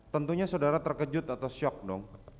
tentunya saudara terkejut atau shock dong